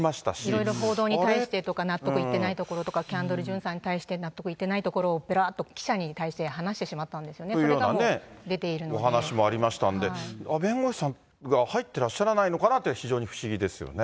いろいろ報道に対してとか、納得いってないところとか、キャンドル・ジュンさんに対して、納得いってないところを、ぺらっと記者に対して話してしまったんですよね、お話もありましたんで、弁護士さんが入ってらっしゃらないのかなっていうのが非常に不思議ですよね。